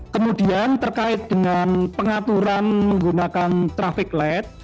kemudian terkait dengan pengaturan menggunakan trafik led